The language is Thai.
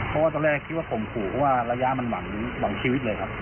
เพราะว่าตอนแรกคิดว่าข่มขู่เพราะว่าระยะมันหวังชีวิตเลยครับ